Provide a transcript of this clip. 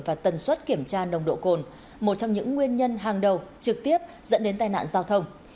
và tần suất kiểm tra nồng độ cồn một trong những nguyên nhân hàng đầu trực tiếp dẫn đến tai nạn giao thông